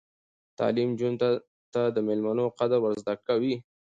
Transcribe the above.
تعلیم نجونو ته د میلمنو قدر ور زده کوي.